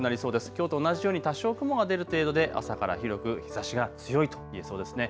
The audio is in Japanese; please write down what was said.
きょうと同じように多少雲が出る程度で朝から広く日ざしが強いと言えそうです。